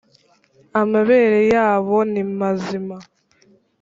Amabere yabo nimazima.